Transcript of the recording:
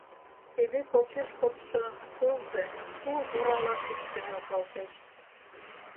Теве почеш кодшо тылзе тул орала кӱшкӧ нӧлталтеш.